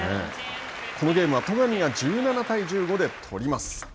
このゲームは戸上が１７対１５で取ります。